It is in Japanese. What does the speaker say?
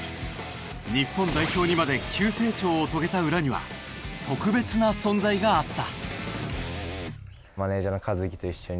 日本代表にまで急成長を遂げた裏には特別な存在があった。